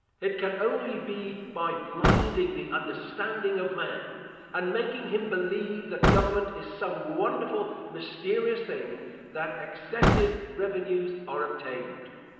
It can only be by blinding the understanding of man, and making him believe that government is some wonderful mysterious thing, that excessive revenues are obtained.